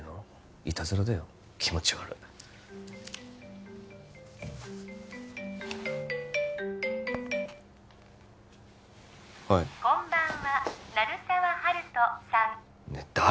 いたずらだよ気持ち悪いはいこんばんは鳴沢温人さん誰？